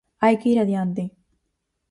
Hai que ir adiante.